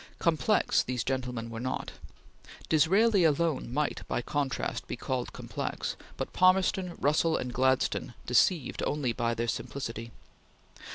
Complex these gentlemen were not. Disraeli alone might, by contrast, be called complex, but Palmerston, Russell, and Gladstone deceived only by their simplicity.